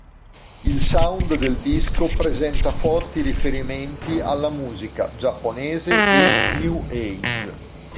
Il sound del disco presenta forti riferimenti alla musica giapponese e new Age.